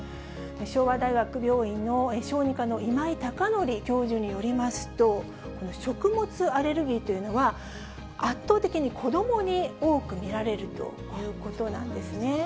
昭和大学病院の小児科の今井孝成教授によりますと、この食物アレルギーというのは、圧倒的に子どもに多く見られるということなんですね。